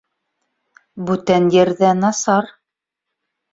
Бүтән ерҙә насар!